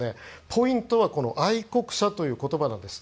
ポイントは愛国者という言葉なんです。